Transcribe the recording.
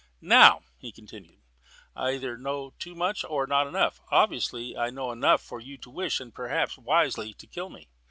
"Now," he continued, "I either know too much or not enough. Obviously I know enough for you to wish, and perhaps wisely, to kill me.